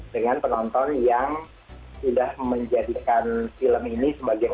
dengan penonton yang sudah menjadikan film ini sebagian lagi